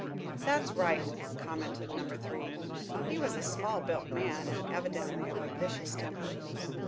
"That's right," commented Number Three. He was a small built man and evidently of a vicious temper.